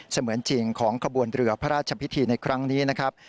เหมือนจริงของขบวนเรือพระราชพิธีในครั้งนี้นะครับ